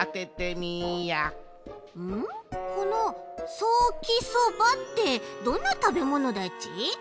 この「ソーキそば」ってどんなたべものだち？